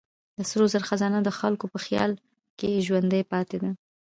د سرو زرو خزانه د خلکو په خیال کې ژوندۍ پاتې ده.